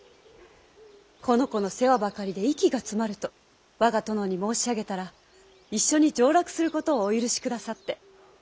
この子の世話ばかりで息が詰まると我が殿に申し上げたら一緒に上洛することをお許しくださって。